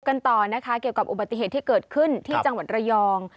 กันต่อนะคะเกี่ยวกับอุบัติเหตุที่เกิดขึ้นที่จังหวัดระยอง